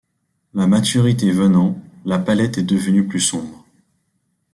La maturité venant, la palette est devenue plus sombre.